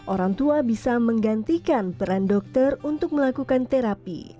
orang tua bisa menggantikan peran dokter untuk melakukan terapi